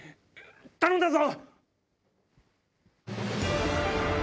頼んだぞ！